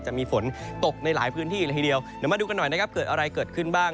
จะมีฝนตกในหลายพื้นที่เลยทีเดียวเดี๋ยวมาดูกันหน่อยนะครับเกิดอะไรเกิดขึ้นบ้าง